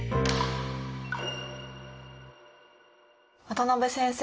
渡辺先生。